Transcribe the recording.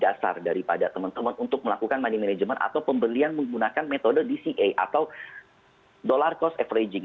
jadi dasar daripada teman teman untuk melakukan money management atau pembelian menggunakan metode dca atau dollar cost averaging